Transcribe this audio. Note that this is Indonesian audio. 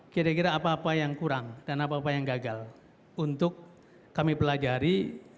kira kira apa apa yang kurang dan apa apa yang gagal untuk kami pelajari